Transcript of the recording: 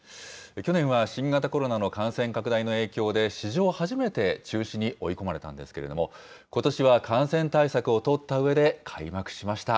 去年は新型コロナの感染拡大の影響で、史上初めて、中止に追い込まれたんですけれども、ことしは感染対策を取ったうえで開幕しました。